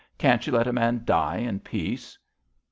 Can't you let a man die in peace?